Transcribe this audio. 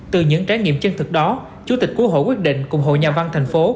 từ những trái nghiệm chân thực đó chủ tịch của hội quyết định cùng hội nhà văn thành phố